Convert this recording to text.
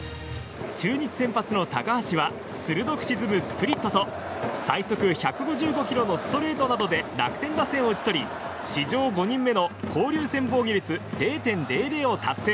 中日、先発の高橋は鋭く沈むスプリットと最速１５５キロのストレートなどで楽天打線を打ち取り史上５人目の交流戦防御率０．００を達成。